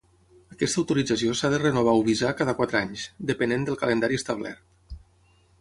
Aquesta autorització s'ha de renovar o visar cada quatre anys, depenent del calendari establert.